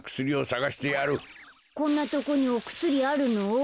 こんなとこにおくすりあるの？